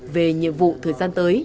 về nhiệm vụ thời gian tới